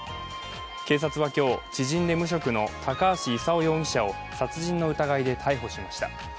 警察は今日、知人で無職の高橋勲容疑者を殺人の疑いで逮捕しました。